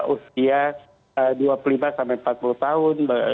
usia dua puluh lima sampai empat puluh tahun